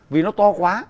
vì nó to quá